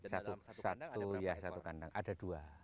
satu satu ya satu kandang ada dua